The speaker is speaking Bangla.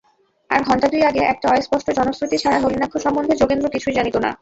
আর ঘণ্টা-দুই আগে একটা অস্পষ্ট জনশ্রুতি ছাড়া নলিনাক্ষ সম্বন্ধে যোগেন্দ্র কিছুই জানিত না।